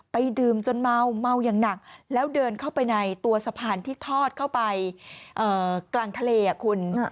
ดื่มจนเมาเมาอย่างหนักแล้วเดินเข้าไปในตัวสะพานที่ทอดเข้าไปกลางทะเลคุณ